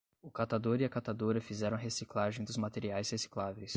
O catador e a catadora fizeram a reciclagem dos materiais recicláveis